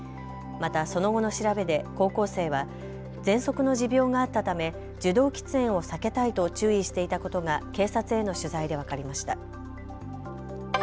またその後の調べで、高校生はぜんそくの持病があったため受動喫煙を避けたいと注意していたことが警察への取材で分かりました。